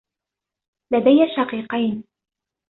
لدي شقيقين.